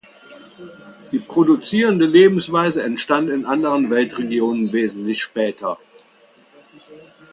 Die produzierende Lebensweise entstand in anderen Weltregionen wesentlich später.